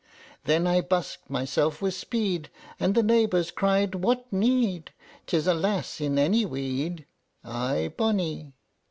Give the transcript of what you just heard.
Then I busked mysel' wi' speed, And the neighbors cried "What need? 'Tis a lass in any weed Aye bonny!"